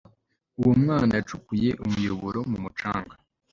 Uwo mwana yacukuye umuyoboro mu mucanga